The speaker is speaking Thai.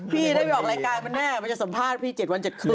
พี่นี่ได้ไปออกรายการมาหน้ามันจะสัมภาษณ์พี่เจ็ดวันเจ็ดคืน